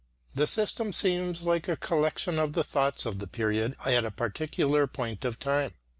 The system seems like a collection of the thoughts of the period at a particular point of time.